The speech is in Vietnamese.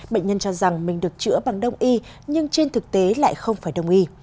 bệnh nhân cho rằng mình được chữa bằng đông y nhưng trên thực tế lại không phải đông y